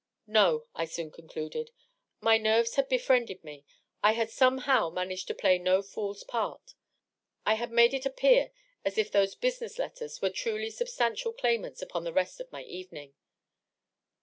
No, I soon concluded. My nerve had be friended me ; I had somehow managed to play no fooFs part I had made it appear as if those "business letters'' were truly substantial claimants upon the rest of my evening.